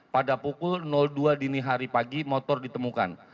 pada pukul dua dini hari pagi motor ditemukan